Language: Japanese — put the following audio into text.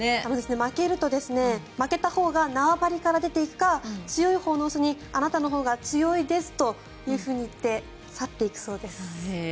負けると負けたほうが縄張りから出ていくか強いほうの雄にあなたのほうが強いですと言って去っていくそうです。